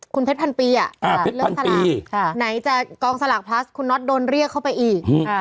คุณเพชรพันปีเลือกสลากไหนจะกองสลากพลัสคุณน็อตโดนเรียกเข้าไปอีก